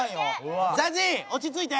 ＺＡＺＹ落ち着いて！